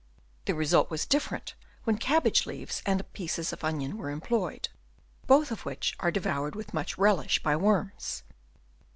The result was different when cabbage leaves and pieces of onion were employed, Chap. I. THEIR SENSES. 31 both of which are devoured with much relish by worms.